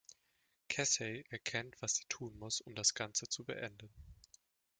Casey erkennt, was sie tun muss um das Ganze zu beenden.